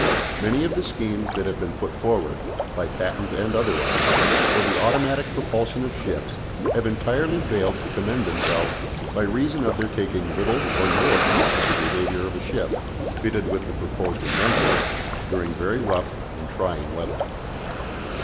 Many of the schemes that have been put forward, by patent and otherwise, for the automatic propulsion of ships have entirely failed to commend themselves by reason of their taking little or no account of the behaviour of a ship, fitted with the proposed inventions, during very rough and trying weather.